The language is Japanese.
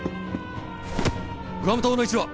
グアム島の位置は？